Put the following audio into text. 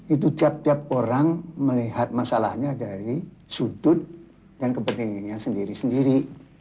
itu tiap tiap orang melihat masalahnya dari sudut dan kepentingannya sendiri sendiri